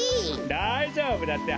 だいじょうぶだって！